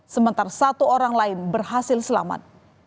sementara satu orang lain berhasil selamat